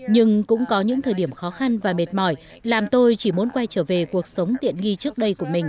nhưng cũng có những thời điểm khó khăn và mệt mỏi làm tôi chỉ muốn quay trở về cuộc sống tiện nghi trước đây của mình